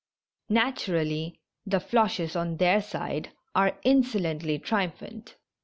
Naturally, the Floches, on their side, are insolently tri umphant.